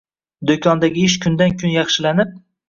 Do'kondagi ish kundan-kun yaxshilanib